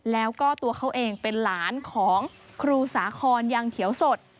แล้วก็ตัวเขาเองเป็นหลานของครูสาคอนยังเขียวสด